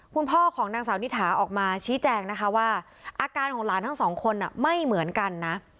คุณพ่อของนางสาวนิถาออกมาชี้แจงนะคะว่าอาการของหลานทั้งสองคนไม่เหมือนกันนะ